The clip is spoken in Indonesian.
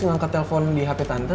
ngangkat telpon di hp tante